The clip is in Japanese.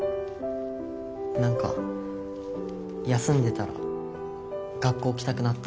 何か休んでたら学校来たくなった。